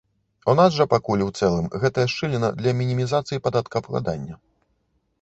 У нас жа пакуль у цэлым гэтая шчыліна для мінімізацыі падаткаабкладання.